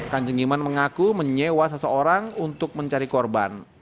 kanjeng iman mengaku menyewa seseorang untuk mencari korban